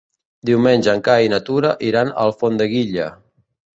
Diumenge en Cai i na Tura iran a Alfondeguilla.